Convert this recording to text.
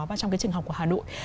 và trong cái trường học của hà nội